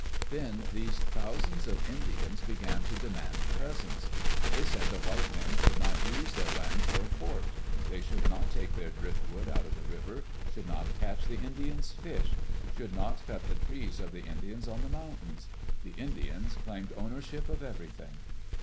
Then these thousands of Indians began to demand presents. They said the white men should not use their land for a fort; they should not take their driftwood out of the river; should not catch the Indians' fish; should not cut the trees of the Indians on the mountains. The Indians claimed ownership of everything.